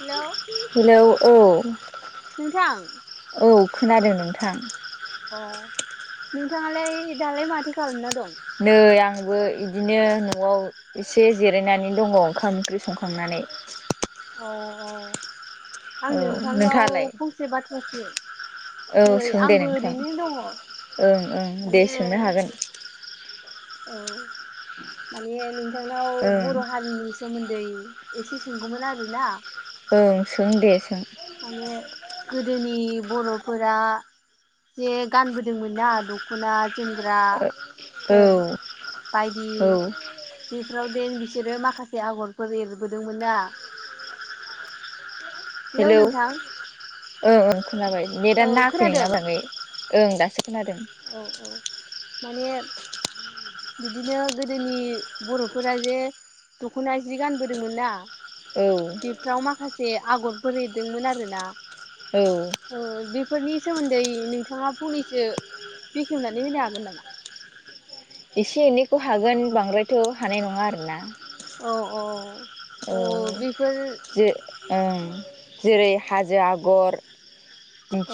Hello हेल औ नोंथां औ खोनादों नोंथां अ नोंथाङालाय दालाय माथो खालामना दं नै आं आंहाबो इदिनो न'आव एसे जिरायनानै दङ ओंखाम ओंख्रि संखांनानै औ औ आं औ नोंथांनाव नोंथाङालाय फंसे बाथ्रासो औ नै सों दे आंबो नोंथां ओरैनो दङ ओं ओं दे माने औ सोंनो हागोन माने नोंथांनाव ओं बर' हारिनि सोमोन्दै एसे सोंगौमोन आरो ना ओं सों दे सों माने गोदोनि बर'फोरा जे गानबोदोंमोना दख'ना जोमग्रा औ फोर बायदि औ बेफोराव बिसोरो माखासे आग'रफोर एरबोदोंमोनना हेलौ ओं ओं खोनाबाय नेटआ औ नाङाखै खोनादों मोजाङै ओं दासो खोनादों औ औ माने बिदिनो गोदोनि बर'फोरा जे दख'ना जि गानबोदोंमोन ना औ बेफोराव माखासे आगरफोर एरदोंमोन आरोना औ बेफोरनि सोमोन्दै नोंथाङा फंनैसो बेखेवनानै होनो हागोन नामा? एसे एनैखौ हागोन बांद्रायथ' हानाय नङा आरोना औ औ औ ए बेफोर जे ओं जेरै हाजो आगर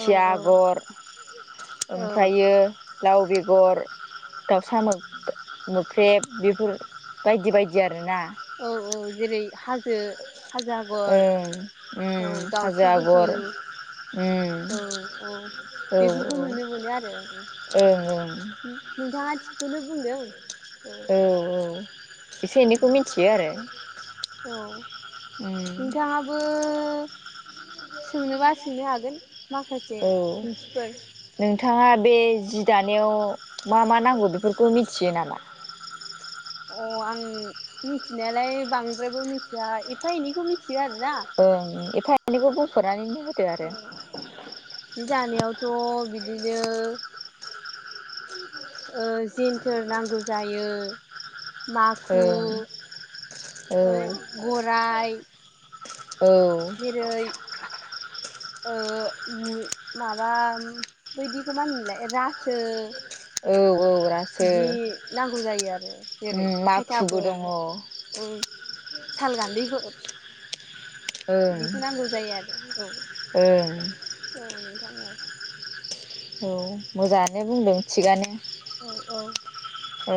औ औ आगर औ ओमफ्रायो लाव बेगर दाउसा मो मोख्रेब बेफोर बायदि बायदि आरोना औ औ जेरै हाजो हाजो आगर ओं औ उम हाजो दाउथु गुथु आगर उम औ औ औ बेफोरखौ नुनो मोनो आरो औ औ ओं नोंथाङा थिगखौनो बुंदों औ औ एसे औ एनैखौ मिथियो आरो औ उम नोंथाङाबो सोंनोबा सोंनो हागोन माखास औ सोंथिफोर नोंथाङा बे जि दानायाव मा मा नांगौ बेफोरखौ मिथियो नामा? अ आं मिथिनायालाय बांद्रायबो मिथिया एफा एनैखौ मिथि ओं एफा एनैखौ बुंफोरनानैनो होदो आरो जि दानायावथ' बिदिनो ओ जेनथोर नांगौ जायो माखु ओं ओ औ गराइ औ जेरै ओ माबा बायदिखौ मा होनो मोनलाय रासो औ औ रासो बिदि नांगौ जायो आरो जेरै उम माखुबो दङ खायथाफोर ओं ओम साल गानदैफोर बिखौ नांगौ जायो आरो औ ओं औ जनो [unintelligible] औ मोजाङानो बुंदों थिगानो औ औ अ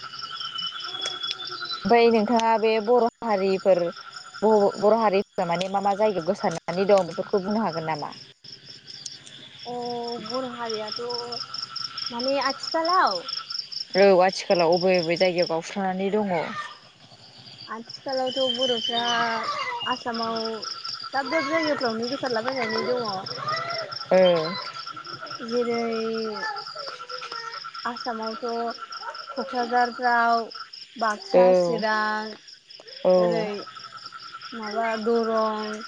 [unintelligible] ओमफ्राय नोंथाङा बे बर' हारिफोर बर' हारिफ्रा माने मा मा जायगायाव गोसारनानै दं बेफोरखौ बुंनो हागोन नामा? अ बर' हारियाथ' माने आथिखालाव औ आथिखालाव बबे बबे जायगायाव गावस्रांनानै दङ आथिखालावथ' बर'फ्रा आसामाव दाब दाब जायगाफ्रावनो गोसारलाबायनानै दङ ओ जेरै आसामावथ' क'क्राझारफ्राव बाक्सा औ चिरां ओरै माबा दरं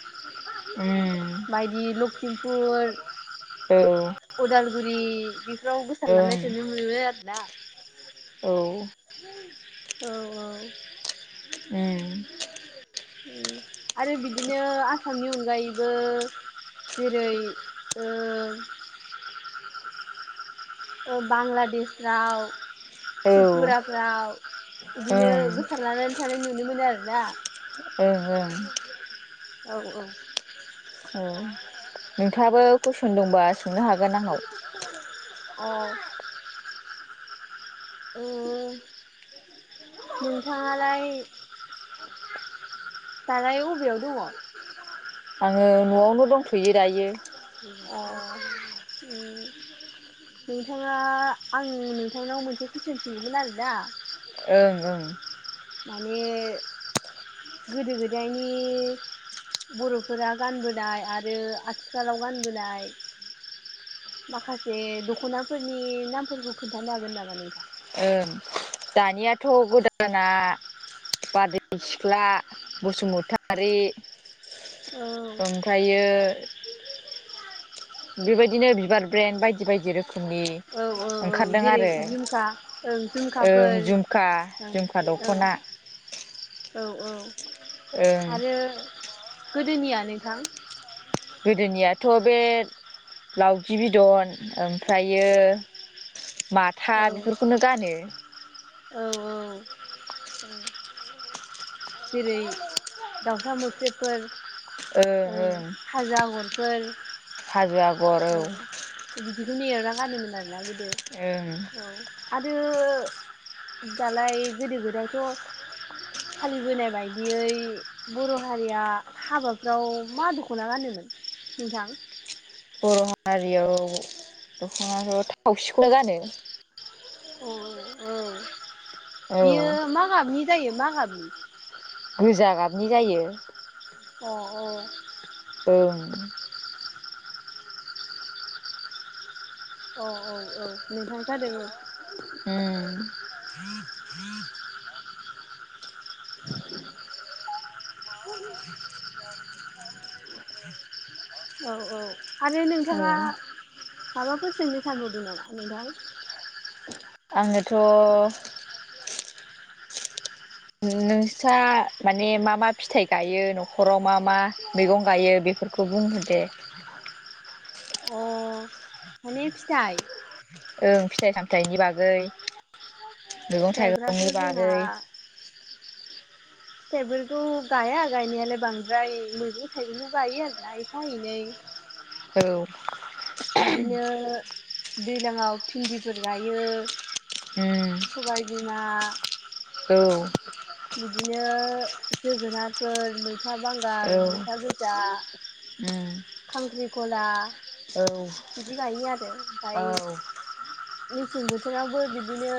ओम बायदि लखिमपुर ओ औ औ बुरि बेफोराव गोसारनानै नायथो [unintelligible] मोनो आरोना औ उम औ औ औ ओं आरो बिदिनो आसामनि अनगायैबो जेरै ओ बांलादेशफ्राव ओं त्रिपुराफ्राव बिदिनो गोसार लानानै थानाय नुनो मोनो आरोना ओं औ औ औ नोंथाङाबो कुइसन दंबा सोंनो हागोन आंनाव अ अ नोंथाङालाय दालाय अबेयाव दङ आङो नआवनो दंथयो दायो अ उम नोंथाङा आं नोंथांनाव मोनसे कुइसन सोंगौमोन आरो दा ओं ओं माने गोदो गोदायनि बरफोरा गानबोनाय आरो आथिखालाव गानबोनाय माखासे दखनाफोरनि नामफोरखौ खोन्थानो हागोन नामा नोंथां ओं दानियाथ गोदाना बारदै सिख्ला बसुमतारि औ ओमफ्रायो बेबायदिनो बिबार ब्रेन बायदि बायदि रोखोम खोमनि औ औ औ ओंखारदों जेरै आरो झुमखा ओं ओ झुमखाफोर झुमका ओं झुमखा ओं दखना औ औ ओं आरो गोदोनिया नोंथां गोदोनियाथ बे लावजि बिदन ओमफ्रायो माथा औ बेफोरखौनो गानो औ औ जेरै दाउसा मोख्रेबफोर ओं ओं खाजा आगरफोर हाजो आगर औ बिदिखौ नेना गानोमोन आरोना गोदो ओं औ आरो दालाय गोदो गोदायथ फालिबोनाय बायदियै बर हारिया हाबाफ्राव मा दखना गानोमोन नोंथां बर हारियाव दखनाखौ थावसिखौनो गानो अ औ औ बियो मा गाबनि जायो मा गाबनि गोजा गाबनि जायो अ औ औ औ औ औ नोंथां जादों औ ह [inaudible] औ औ आरो औ नोंथाङा माबाफोर सोंनो सानबावदों नामा नोंथां आंनोथ नोंस्रा माने मा मा फिथाइ गायो नखराव मा मा मैगं गायो बे फोरफोरखौ बुंहोदो अ माने फिथाइ ओं फिथाइ सामथाइनि बागै मैगं फिथाइफ्राथ' थाइगंनि जोंहा बागै फिथाइफोरखौ गाया गायनायालाय बांद्राय मैगं थाइगंखौ गायो आरोना एफा एनै [inaudible] औ बिदिनो दैज्लाङाव भिन्दिफोर गायो हम सबाय बिमा औ बिदिनो जोगोनारफोर मैथा बांगाल औ मैथा गोजा जा उम खांख्रि गला औ बिदि गायो आरो ओमफ्राय औ मेसें बोथोरावबो बिदिनो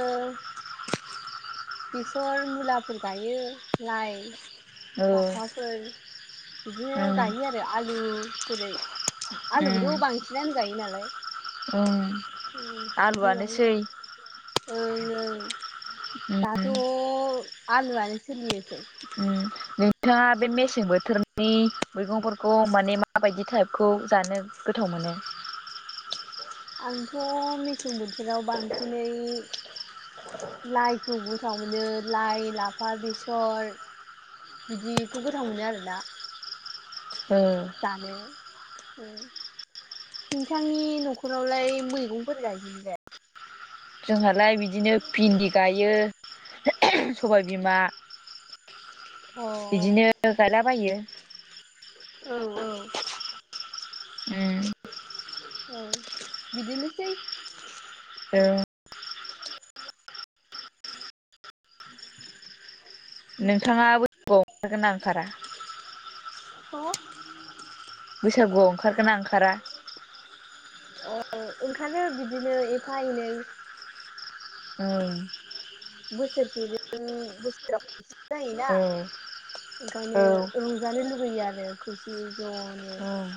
सर मुलाफोर गायो लाइ औ लाफाफोर बिदिनो उम गायो आरो आलु जेरै उम आलुखौथ' बांसिनानो गायो नालाय आलुआनोसै ओ नों दाथ' आलुआनो सोलियोसै उम नोंथाङा बे मेसें बोथोरनि नि मैगंफोरखौ माने माबायदि टाइपखौ जानो गोथाव मोनो आंथ' मेसें बोथोराव बांसिनै लाइखौ मोजां मोनो लाइ लाफा बेसर बिदिखौ गोथाव मोनो आरोना ओ जानो नोंथांनि न'खरावलाय मैगंफोर गाययोनो जाया जोंहालाय बिदिनो भिन्दि गायो सबाय बिमा अ औ बिदिनो गायलाबायो औ औ ओ औ बिदिनोसै औ नोंथाङा बैसागुआव ओंखारगोना ओंखारा ह बैसागुआव ओंखारगोना ओंखारा औ ओंखारो बिदिनो एफा एनै औ बोसोरसेजों बोसोराव खौ जायोना औ ओंखायनो रंजानो लुुबैयो आरो खौसे ज'नो उम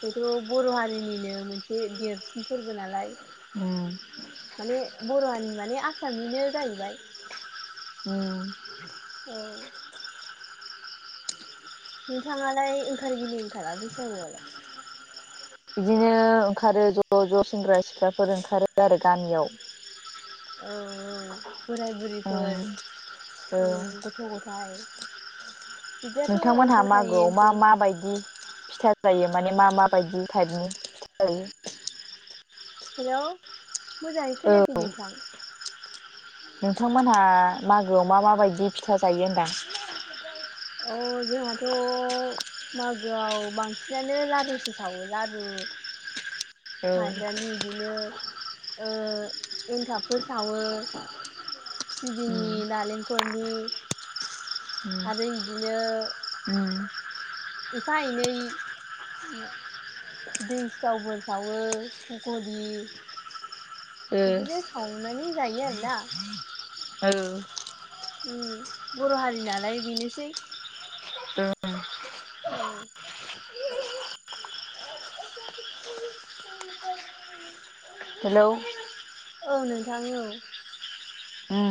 बेथ' बर' हारिनिनो मोनसे देरसिन फोरबो नालाय उम माने बर'नि माने आसामनिनो जाहैबाय ए औ नोंथाङालाय ओंखारगिरि ओंखारा बैसागुआवलाय बिदिनो ओंखारो ज' ज' सेंग्रा सिख्लाफोर ओंखारो आरो गामियाव औ बोराय उम बुरैफोर औ गथ' गथाइ नोंथांमोनहा मागोआव मा माबायदि फिथा जायो माने मा माबायदि टाइपनियो हेल' मोजाङै औ खोनायाखै नोंथां नोंथांमोनहा मागोआव मा माबायदि फिथा जायो होनदां औ जोंहाथ' मागोआव बांसिनानो लारुसो सावो लारु औ उम माइब्रानि बिदिनो एनथाबफोर सावो सिबिंनि उम नालेंखलनि आरो बिदिनो उम एफा एनै दै सिथावबो सावो फखरि बिदिनो ओ संनानै जायो आरोना औ बर' हारि नालाय बेनोसै ओं आरो हेल' औ नोंथां औ उम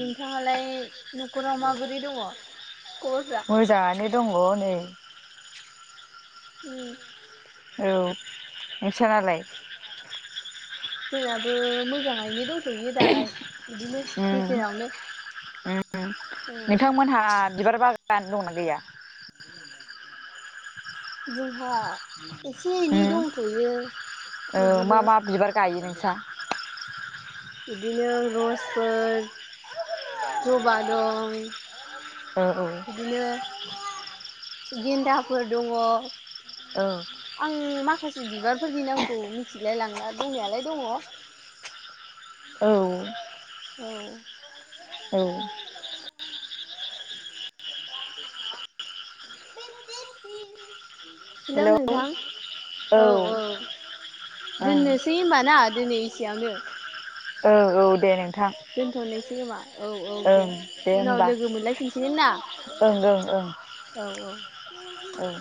नोंथाङालाय न'खराव माबोरै दङ खबरफ्रा मोजाङानो दङ नै ए औ नोंसानालाय जोंनाबो मोजाङैनो दंथ'यो दालाय बिदिनो उम गेजेरावनो उम औ नोंथांमोनहा बिबार बागान दंना गैया जोंहा एसे एनै उम दंथ'यो ओ मा बिदिनो मा बिबार गायो नोंस्रा बिदिनो रसफोर जबा दं औ औ बिदिनो गेन्दाफोर दङ औ आं माखासे बिबारफोरनि नामखौ मिथिलाय लांला दंनायालाय दङ [inaudible] औ औ औ हेलौ नोंथां औ औ दोननोसै होमबा ना दिनै एसेयावनो औ औ दे नों दोनथ'नोसै खोमा औ औ दे ओं उनाव होमबा लोगो मोनलायफिनसिगोन ना ओं ओं ओं औ औ ओं